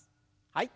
はい。